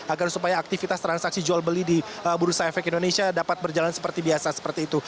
agar supaya aktivitas transaksi jual beli di bursa efek indonesia dapat berjalan seperti biasa seperti itu